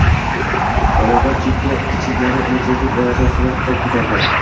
Bbalog‘at chechaklari umidsizlik ayozi ostida qolib ketardi.